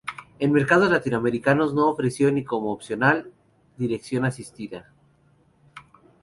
En mercados latinoamericanos no ofreció ni como opcional dirección asistida.